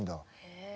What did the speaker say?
へえ。